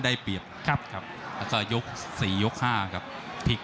ได้เปรียบครับครับอาจจะยกสี่ยกห้าครับถี่